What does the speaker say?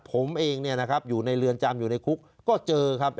ผมเองอยู่ในเรือนจำอยู่ในคุกก็เจอครับ